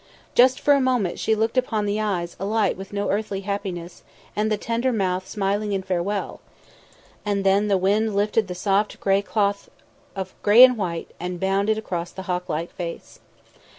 Just for a moment she looked upon the eyes alight with no earthly happiness and the tender mouth smiling in farewell, and then the wind lifted the soft cloth of grey and white and bound it across the hawklike face.